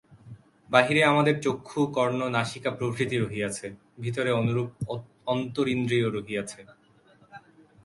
বাহিরে আমাদের চক্ষু, কর্ণ, নাসিকা প্রভৃতি রহিয়াছে, ভিতরে অনুরূপ অন্তরিন্দ্রিয় রহিয়াছে।